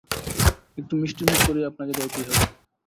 একটু মিষ্টমুখ করিয়া আপনাকে যাইতেই হইবে।